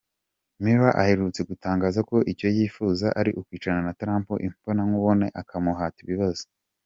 Mueller aherutse gutangaza ko icyo yifuza ari ukwicarana na Trump imbonankubone akamuhata ibibazo.